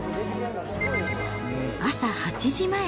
朝８時前。